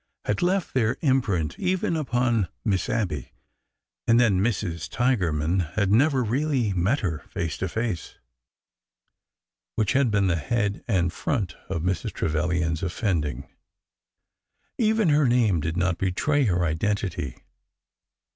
— had left their imprint even upon Miss Abby, and then Mrs. Tigerman had never really met her face to face — which had been the head and front of Mrs. Trevilian's offending. Even her name did not betray her identity.